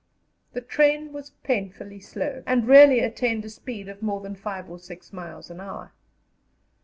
The train was painfully slow, and rarely attained a speed of more than five or six miles an hour.